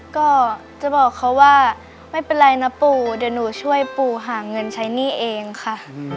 ก็จะบอกเขาว่าไม่เป็นไรนะปู่เดี๋ยวหนูช่วยปู่หาเงินใช้หนี้เองค่ะ